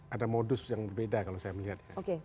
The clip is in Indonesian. ada modus yang berbeda kalau saya melihat ya